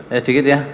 ya sedikit ya